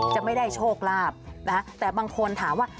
จะไม่ได้โชคลาภนะคะแต่บางคนถามว่า